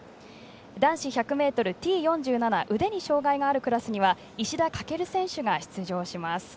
男子１００ｍＴ４７腕に障がいがあるクラスには石田駆選手が出場します。